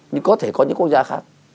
nhưng có thể có những quốc gia khác